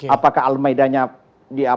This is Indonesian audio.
apakah al maida nya di al maida